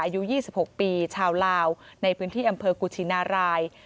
อายุ๒๖ปีชาวลาวในพื้นที่อำเภอกุชินาราย